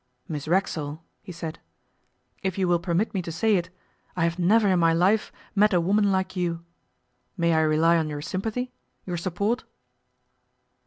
'Miss Racksole,' he said, 'if you will permit me to say it, I have never in my life met a woman like you. May I rely on your sympathy your support?